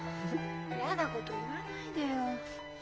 嫌なこと言わないでよ。